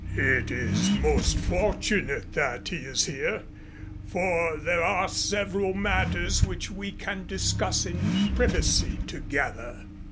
It is most fortunate that he is here, for there are several matters which we can discuss in privacy together."